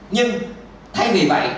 nhưng thay vì vậy